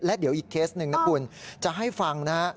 และเดี๋ยวอีกเคสหนึ่งนะคุณจะให้ฟังนะฮะ